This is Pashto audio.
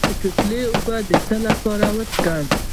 د شوتلې اوبه د څه لپاره وڅښم؟